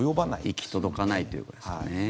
行き届かないということですね。